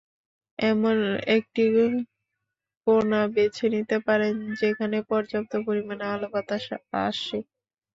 এমন একটি কোনা বেছে নিতে পারেন, যেখানে পর্যাপ্ত পরিমাণে আলো-বাতাস আসে।